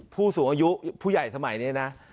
ผู้สูงอายุผู้ใหญ่สมัยนี้นะ